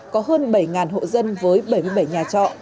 có hơn bảy hộ dân với bảy mươi bảy nhà trọ